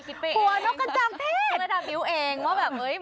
หัวนกกระจ่างเพชร